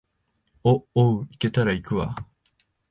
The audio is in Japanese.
お、おう、行けたら行くわ